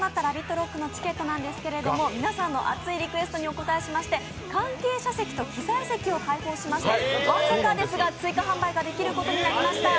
ＲＯＣＫですけど皆さんの熱いリクエストにお応えしまして、関係者席と機材席を開放しまして、僅かですが追加販売ができることになりました